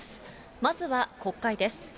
まずは国会です。